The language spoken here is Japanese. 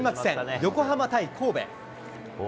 横浜対神戸。